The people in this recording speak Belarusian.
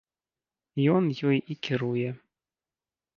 Ён ёй і кіруе.